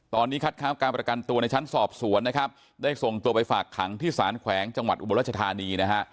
ตอนนี้คัดค้านการประกันตัวในชั้นสอบสวนนะครับได้ส่งตัวไปฝากขังที่สารแขวงจังหวัดอุบลรัชธานีนะฮะ